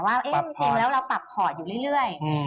ว่าเราปรับพอร์ตอยู่เรื่อย